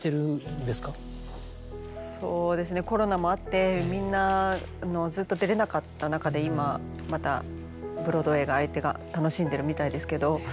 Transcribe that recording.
そうですねコロナもあってみんなずっと出れなかった中で今またブロードウェイが開いて楽しんでるみたいですけど。